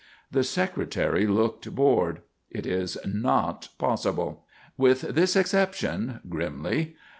The Secretary looked bored. "It is not possible." "With this exception," grimly.